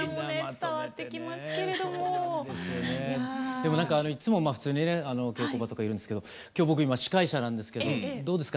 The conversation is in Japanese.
でもなんかいっつも普通にね稽古場とかいるんですけど今日僕今司会者なんですけどどうですか？